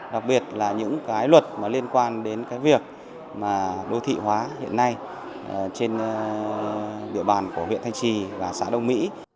đặc biệt là những luật liên quan đến việc đô thị hóa hiện nay trên địa bàn của huyện thanh trì và xã đông mỹ